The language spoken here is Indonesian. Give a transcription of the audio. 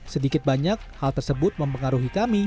sedikit banyak hal tersebut mempengaruhi kami